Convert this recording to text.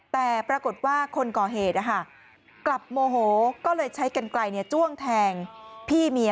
แต่ปรากฏว่าคนก่อเหตุกลับโมโหก็เลยใช้กันไกลจ้วงแทงพี่เมีย